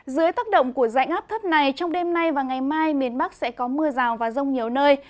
dưới tác động của dãy ngáp thấp này trong đêm nay và ngày mai miền bắc sẽ có mưa rào và rông nhiều nơi